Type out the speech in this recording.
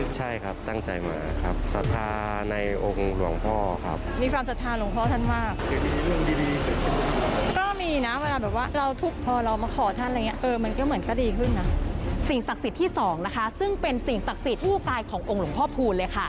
สิ่งศักดิ์สิทธิ์ที่สองนะคะซึ่งเป็นสิ่งศักดิ์สิทธิ์ผู้กายขององค์หลงพ่อพูลเลยค่ะ